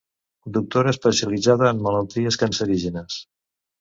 Doctora especialitzada en malalties cancerígenes.